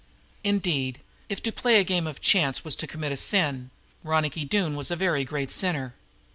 Indeed, if to play a game of chance is to commit a sin, Ronicky Doone was a very great sinner.